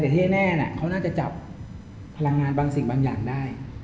แต่ที่แน่เขาน่าจะจับพลังงานบางสิ่งบางอย่างได้